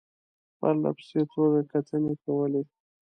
پرله پسې توګه کتنې کولې.